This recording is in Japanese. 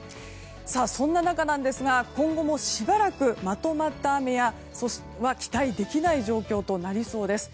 そんな中ですが今後もしばらくまとまった雨は期待できない状況となりそうです。